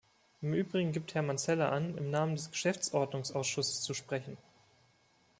Im übrigen gibt Herr Manzella an, im Namen des Geschäftsordnungsausschusses zu sprechen.